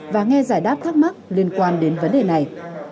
và nghe giải đáp thắc mắc liên quan đến vấn đề này